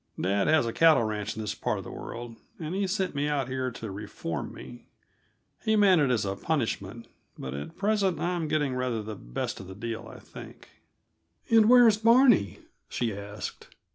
Dad has a cattle ranch in this part of the world, and he sent me out here to reform me. He meant it as a punishment, but at present I'm getting rather the best of the deal, I think." "And where's Barney?" she asked.